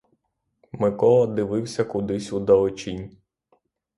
Микола дивився кудись у далечінь.